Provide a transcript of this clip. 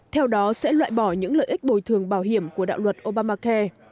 theo đó sẽ loại bỏ những lợi ích bồi thường bảo hiểm của đạo luật obamacare